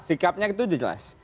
sikapnya itu jelas